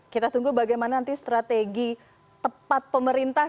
kita tunggu bagaimana nanti strategi tepat pemerintah